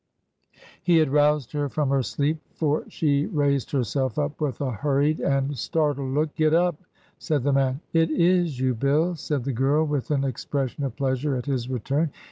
"He had roused her from her sleep, for she raised herself up with a hurried and startled look. 'Get up I' said the man. 'It is you, BiU!' said the girl, with an expression of pleasure at his return.